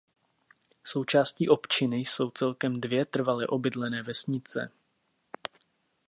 Součástí opčiny jsou celkem dvě trvale obydlené vesnice.